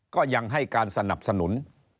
ก็ยังให้การสนับสนุน